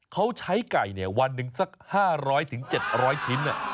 เขาใช้ไก่วันหนึ่งสัก๕๐๐๗๐๐ชิ้น